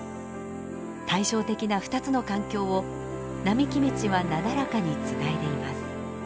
対照的な２つの環境を並木道はなだらかにつないでいます。